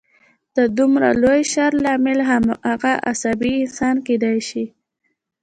د دومره لوی شر لامل هماغه عصبي انسان کېدای شي